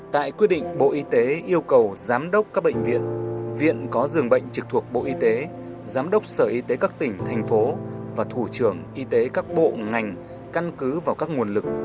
tại quyết định bộ y tế yêu cầu giám đốc các bệnh viện viện có dường bệnh trực thuộc bộ y tế giám đốc sở y tế các tỉnh thành phố và thủ trưởng y tế các bộ ngành căn cứ vào các nguồn lực